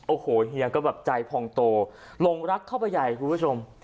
โอ้โหเฮียก็แบบใจพองโตหลงรักเข้าไปใหญ่คุณผู้ชม